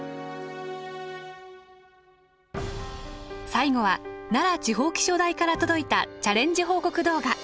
最後は奈良地方気象台から届いたチャレンジ報告動画。